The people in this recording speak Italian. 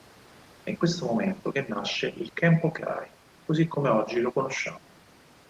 È in questo momento che nasce il "Kenpo-Kai", così come oggi lo conosciamo.